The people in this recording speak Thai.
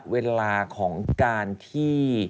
เวลาของการที่